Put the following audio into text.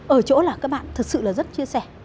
ở chỗ là các bạn thật sự là rất chia sẻ